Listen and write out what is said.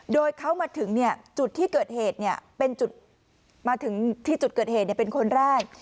โดยเขามาถึงจุดที่เกิดเหตุเป็นคนแรก